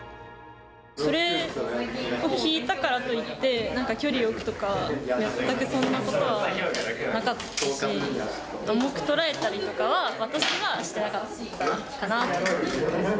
それを聞いたからといって、なんか距離を置くとか、全くそんなことはなかったし、重く捉えたりとかは、私はしてなかったかなと思います。